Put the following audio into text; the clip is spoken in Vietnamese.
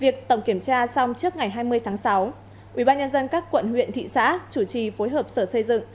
việc tổng kiểm tra xong trước ngày hai mươi tháng sáu ubnd các quận huyện thị xã chủ trì phối hợp sở xây dựng